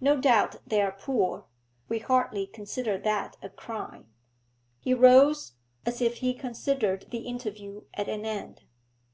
No doubt they are poor; we hardly consider that a crime.' He rose, as if he considered the interview at an end.